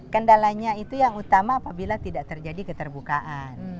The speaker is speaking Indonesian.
kendalanya itu yang utama apabila tidak terjadi keterbukaan